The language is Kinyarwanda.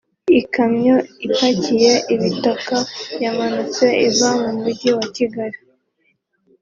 Ikamyo ipakiye ibitaka yamanutse iva mu mujyi wa Kigali